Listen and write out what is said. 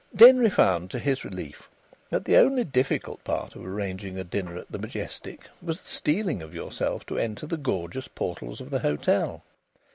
Denry found to his relief that the only difficult part of arranging a dinner at the Majestic was the steeling of yourself to enter the gorgeous portals of the hotel.